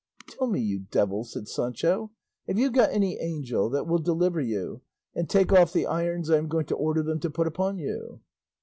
"Tell me, you devil," said Sancho, "have you got any angel that will deliver you, and take off the irons I am going to order them to put upon you?"